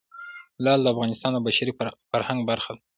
لعل د افغانستان د بشري فرهنګ برخه ده.